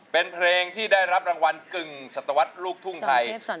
เป็นเพลงที่ได้รับรางวัลกึ่งศัตวรรษลูกทุ่งไทย